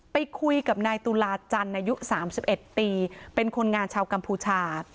ไปคุยกับนายตุลาจันทร์อายุ๓๑ปีเป็นคนงานชาวกัมพูชา